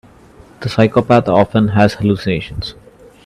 The psychopath often has hallucinations.